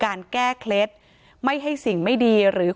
การแก้เคล็ดบางอย่างแค่นั้นเอง